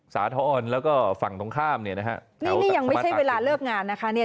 สาธรณ์แล้วก็ฝั่งตรงข้ามเนี่ยนะฮะนี่นี่ยังไม่ใช่เวลาเลิกงานนะคะเนี่ย